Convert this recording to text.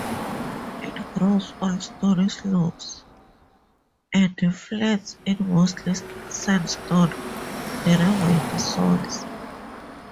It grows on stony slopes and flats in mostly sandstone derived soils.